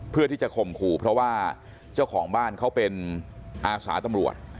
เพื่อที่จะข่มขู่เพราะว่าเจ้าของบ้านเขาเป็นอาสาตำรวจ